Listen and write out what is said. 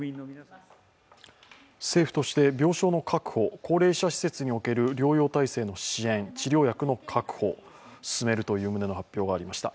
政府として病床の確保、高齢者施設における療養体制の支援、治療薬の確保を進める旨の発表がありました。